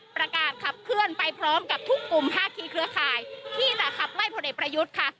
ประกาศขับเคลื่อนไปพร้อมกับทุกกลุ่มภาคีเครือข่ายที่จะขับไล่พลเอกประยุทธ์ค่ะ